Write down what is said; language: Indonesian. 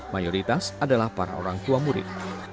mayoritas adalah para orang tua murid